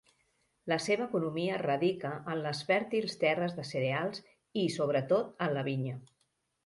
La seva economia radica en les fèrtils terres de cereals i, sobretot, en la vinya.